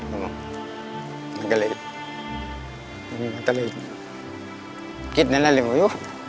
แล้วมันก็เลยตะเลยคิดแน่นานเลยโว่เฮ้ย